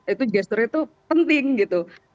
itu gesture itu penting gitu